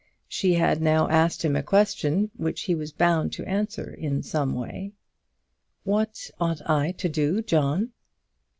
She had now asked him a question, which he was bound to answer in some way: "What ought I to do, John?"